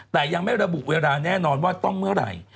แต่ยังไม่ระบุเวลาแน่นอนว่าต้องเมื่อไหร่